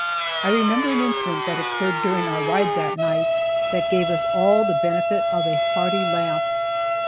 I remember an incident that occurred during our ride that night that gave us all the benefit of a hearty laugh.